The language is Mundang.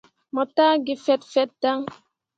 Mo taa gi fet fet dan.